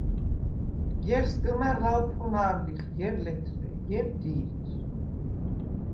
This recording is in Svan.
ჲერ სგჷმა̈რ ლავფუნალვ ლიხ, ჲერ – ლეთრე, ჲერ – დი̄რიშ.